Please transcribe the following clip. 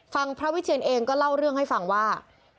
พระวิเชียนเองก็เล่าเรื่องให้ฟังว่า